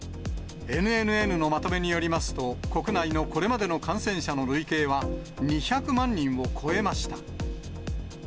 ＮＮＮのまとめによりますと、国内のこれまでの感染者の累計は２００万人を超えました。